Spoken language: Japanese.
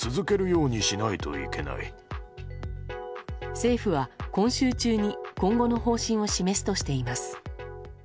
政府は、今週中に今後の方針を示すとしています。